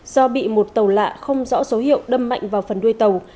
do bị một tàu lạ không rõ số hiệu đâm mạnh vào phần đuôi tàu